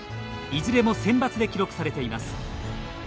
いずれもセンバツで記録されています。